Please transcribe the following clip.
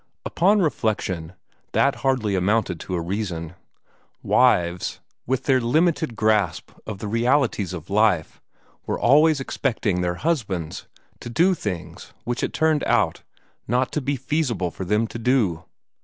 Upon reflection, that hardly amounted to a reason. Wives, with their limited grasp of the realities of life, were always expecting their husbands to do things which it turned out not to be feasible for them to do.